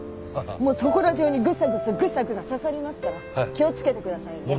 もうそこら中にぐさぐさぐさぐさ刺さりますから気を付けてくださいね。